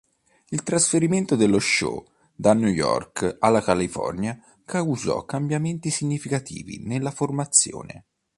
Il trasferimento dello show da New York alla California causò cambiamenti significativi nella formazione.